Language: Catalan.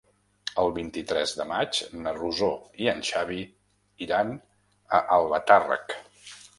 El vint-i-tres de maig na Rosó i en Xavi iran a Albatàrrec.